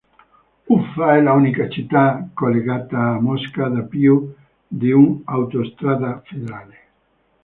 Ufa è l'unica città collegata a Mosca da più di un'autostrada federale.